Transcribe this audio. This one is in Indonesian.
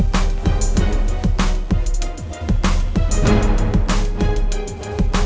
tapi tadi kayak gitu hah